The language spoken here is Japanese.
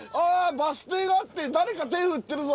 バス停があって誰か手振ってるぞ！